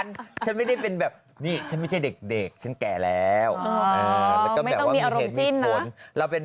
ณเดชน์คิดว่าจริง